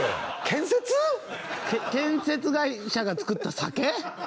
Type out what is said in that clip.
建設会社が作った酒？